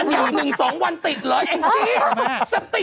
บรรยาก๑๒วันติดเลยแอนชี